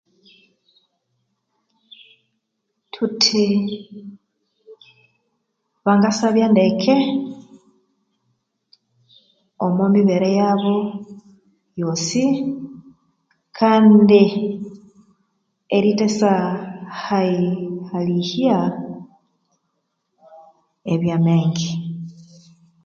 Thuthi bangasabya ndeke omumibere yabo yosi kandi erithasya hali halihya ebyamenge